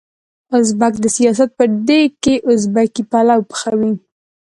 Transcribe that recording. ازبک د سياست په دېګ کې ازبکي پلو پخوي.